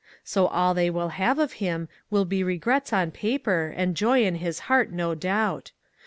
So all they will have of him will be regrets on paper, and joy in his heart, no doubt.